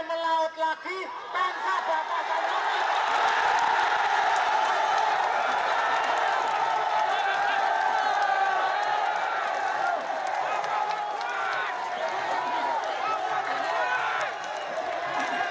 melaut lagi tanpa